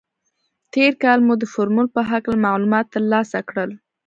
تېر کال مو د فورمول په هکله معلومات تر لاسه کړل.